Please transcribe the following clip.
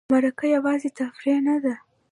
مرکه یوازې تفریح نه ده.